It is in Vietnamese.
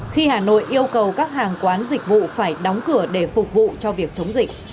khi hà nội yêu cầu các hàng quán dịch vụ phải đóng cửa để phục vụ cho việc chống dịch